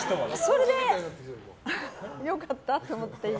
それで、良かったって思って。